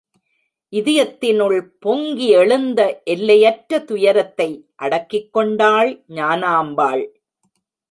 இதயத்தினுள் பொங்கியெழுந்த எல்லையற்ற துயரத்தை அடக்கிக் கொண்டாள் ஞானாம்பாள்.